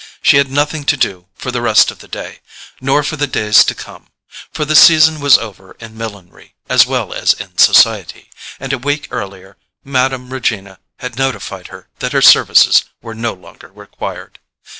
She had nothing to do for the rest of the day, nor for the days to come; for the season was over in millinery as well as in society, and a week earlier Mme. Regina had notified her that her services were no longer required.